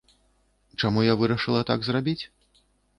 Чаму я вырашыла так зрабіць?